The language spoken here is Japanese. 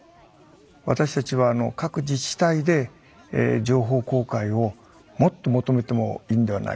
私たちは各自治体で情報公開をもっと求めてもいいんではないか。